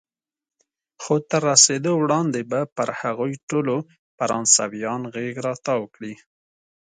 خو تر رسېدو وړاندې به پر هغوی ټولو فرانسویان غېږ را تاو کړي.